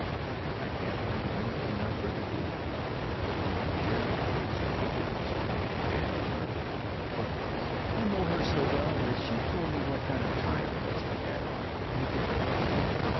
"I can't think of anything I'd rather do. But do you dare impose a perfectly strange man on her?" "Oh yes, I know her so well that she's told me what kind of a tie her husband had on when he proposed."